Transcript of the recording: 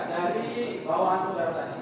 dari bawah sudah ada